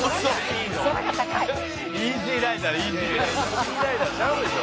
「『イージー★ライダー』ちゃうでしょ」